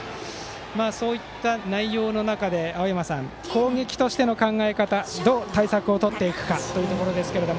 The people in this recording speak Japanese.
そういった内容の中で青山さん、攻撃としての考え方どう対策をとっていくかというところですが。